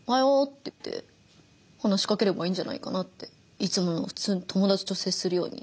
いつもの普通に友達と接するように。